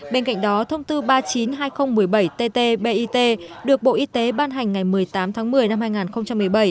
bên cạnh đó thông tư ba trăm chín mươi hai nghìn một mươi bảy ttbit được bộ y tế ban hành ngày một mươi tám tháng một mươi năm hai nghìn một mươi bảy